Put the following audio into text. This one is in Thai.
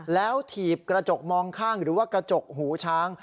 แล้วถีบกระจกมองข้างหรือว่ากระจกหูช้าง